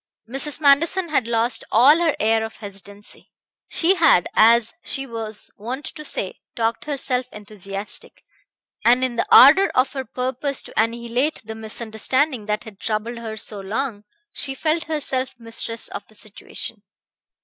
Mrs. Manderson had lost all her air of hesitancy. She had, as she was wont to say, talked herself enthusiastic, and in the ardor of her purpose to annihilate the misunderstanding that had troubled her so long she felt herself mistress of the situation.